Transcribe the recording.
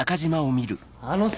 あのさ！